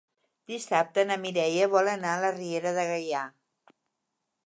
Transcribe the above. Dissabte na Mireia vol anar a la Riera de Gaià.